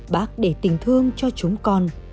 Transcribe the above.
bác để tình thương cho chúng con